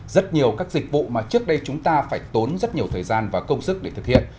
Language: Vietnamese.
rất nhiều các dịch vụ mà trước đây chúng ta phải tốn rất nhiều thời gian và công sức để thực hiện